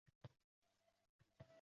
Sochimni yuladi izgʻirin